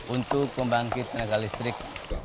untuk membangkit tenaga listrik